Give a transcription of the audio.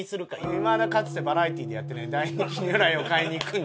いまだかつてバラエティーでやってない「大日如来を買いに行くんじゃ！！」。